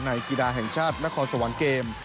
กีฬาแห่งชาตินครสวรรค์เกม